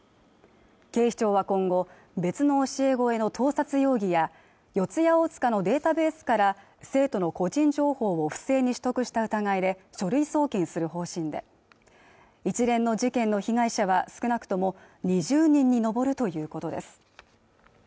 警視庁は今後別の教え子への盗撮容疑や四谷大塚のデータベースから生徒の個人情報を不正に取得した疑いで書類送検する方針で一連の事件の被害者は少なくとも２０人に上るということです